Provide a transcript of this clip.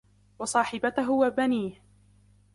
وصاحبته وبنيه